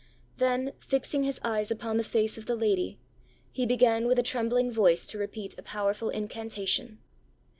Then, fixing his eyes upon the face of the lady, he began with a trembling voice to repeat a powerful incantation.